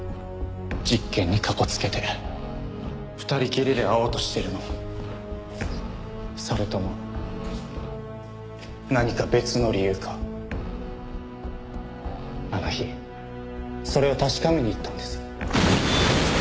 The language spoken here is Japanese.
実験にかこつけて２人きりで会おうとしているのかそれとも何か別の理由かあの日それを確かめに行ったんです。